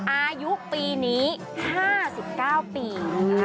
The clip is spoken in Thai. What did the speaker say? อายุปีนี้๕๙ปี